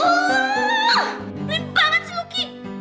oh murni banget luki